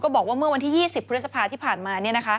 บอกว่าเมื่อวันที่๒๐พฤษภาที่ผ่านมา